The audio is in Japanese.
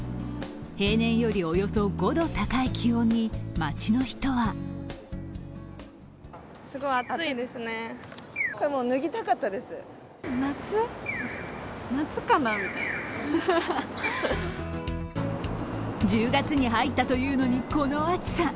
平年より、およそ５度高い気温に町の人は１０月に入ったというのにこの暑さ。